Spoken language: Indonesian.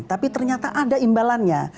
tapi ternyata ada imbalannya